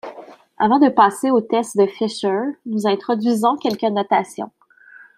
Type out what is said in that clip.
Avant de passer au test de Fisher nous introduisons quelques notations.